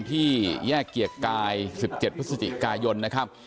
ที่แยกเกียรติกาย๑๗พฤศจิกายนนะครับ